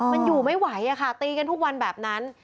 มันอยู่ไม่ไหวอะค่ะตีกันทุกวันแบบนั้น